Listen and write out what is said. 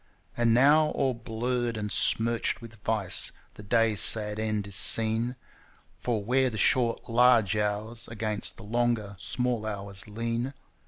And now all blurred and smirched with vice the day's sad end is seen, For where the short "large hours" against the longer "small hours" lean.